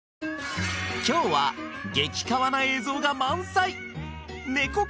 今日は激カワな映像が満載ネコ科